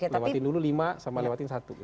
lewatin dulu lima sama lewatin satu